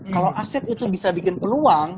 kalau aset itu bisa bikin peluang